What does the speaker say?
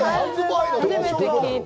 初めて聞いた。